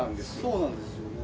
そうなんですよね。